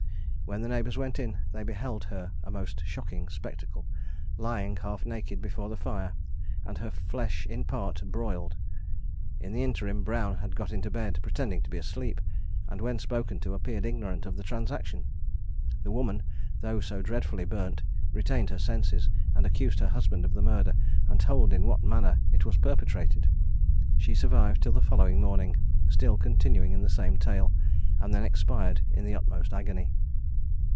When the neighbours went in, they beheld her a most shocking spectacle, lying half naked before the fire, and her flesh in part broiled. In the interim, Brown had got into bed, pretending to be asleep, and when spoken to, appeared ignorant of the transaction. The woman, though so dreadfully burnt, retained her senses, and accused her husband of the murder, and told in what manner it was perpetrated. She survived till the following morning, still continuing in the same tale, and then expired in the utmost agony.